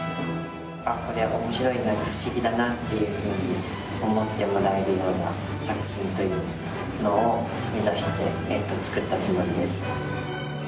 あっこれ面白いな不思議だなっていうふうに思ってもらえるような作品というのを目指して作ったつもりです。